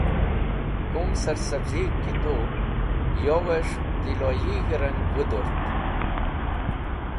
Kum sarsavzigh̃ ki tu, yowes̃h tiloyi rang wũdũrt.